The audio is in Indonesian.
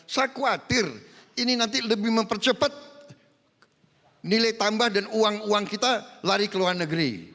saya khawatir ini nanti lebih mempercepat nilai tambah dan uang uang kita lari ke luar negeri